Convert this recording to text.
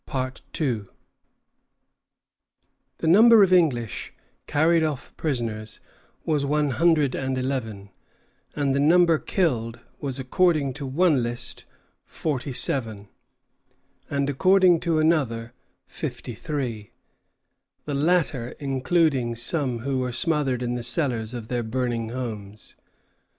The number of English carried off prisoners was one hundred and eleven, and the number killed was according to one list forty seven, and according to another fifty three, the latter including some who were smothered in the cellars of their burning houses.